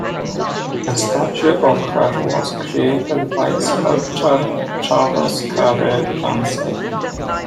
A statue of her was created by sculptor Charles Cary Rumsey.